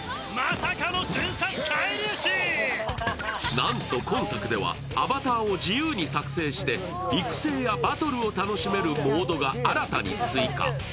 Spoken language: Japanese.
なんと今作ではアバターを自由に作成して、育成やバトルを楽しめるモードが新たに追加。